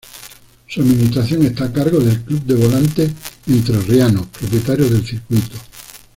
Su administración está a cargo del Club de Volantes Entrerrianos, propietario del circuito.